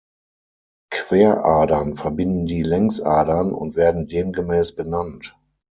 Queradern verbinden die Längsadern, und werden demgemäß benannt.